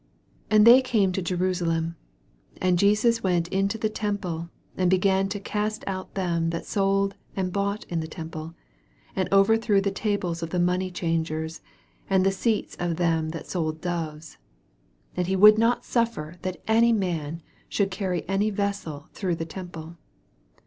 15 And they coine to Jerusalem : and Jesus went into the temple, and began to cast out them that Bold and bought in the temple, and overthrew the tables of the money changers, and the seats of them that Bold doves ; 18 And would not suffer that any mn should carry any vessel through the temple.